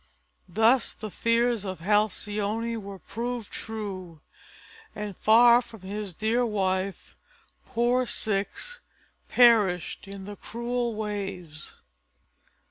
Thus the fears of Halcyone were proved true, and far from his dear wife poor Ceyx perished in the cruel waves.